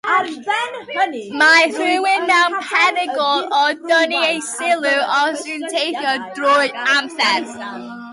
Mae rhywun mewn perygl o dynnu eu sylw os yw'n teithio drwy amser.